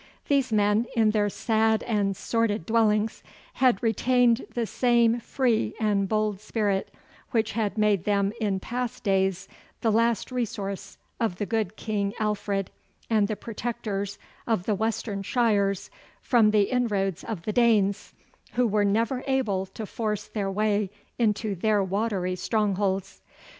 These men, in their sad and sordid dwellings, had retained the same free and bold spirit which had made them in past days the last resource of the good King Alfred and the protectors of the Western shires from the inroads of the Danes, who were never able to force their way into their watery strongholds.